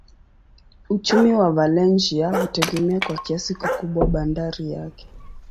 Uchumi wa Valencia hutegemea kwa kiasi kikubwa bandari yake.